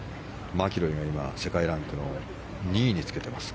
マキロイが今、世界ランクの２位につけています。